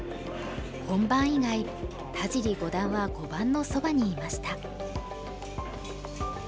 本番以外田尻五段は碁盤のそばにいました。